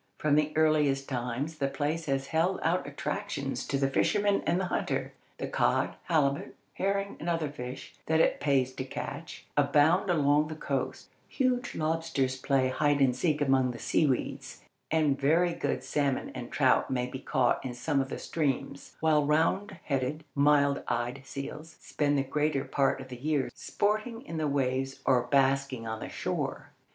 From the earliest times the place has held out attractions to the fisherman and the hunter. The cod, halibut, herring, and other fish that it pays to catch, abound along the coast; huge lobsters play hide and seek among the sea weeds, and very good salmon and trout may be caught in some of the streams, while round headed, mild eyed seals spend the greater part of the year sporting in the waves or basking on the shore.